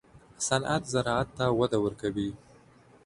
صنعت زراعت ته وده ورکوي